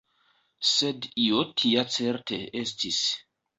Sed io tia certe estis.